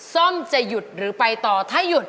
ซ่อมจะหยุดหรือไปต่อถ้าหยุด